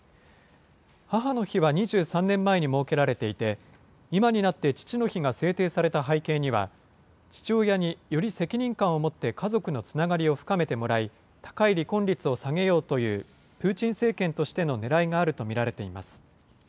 母の日は２３年前に設けられていて、今になって父の日が制定された背景には、父親により責任感を持って、家族のつながりを深めてもらい、高い離婚率を下げようというプーチン政権としてのねらいがあると見られています。